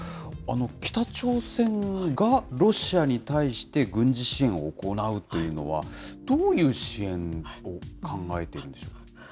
北朝鮮がロシアに対して軍事支援を行うというのは、どういう支援を考えているんでしょう。